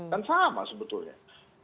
kan sama sebetulnya